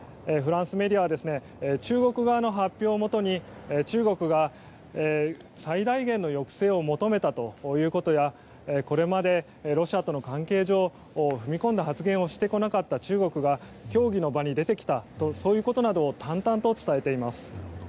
フランスメディアは中国側の発表をもとに中国が最大限の抑制を求めたということやこれまでロシアとの関係上踏み込んだ発言をしてこなかった中国が協議の場に出てきたとそういうことなどを淡々と伝えています。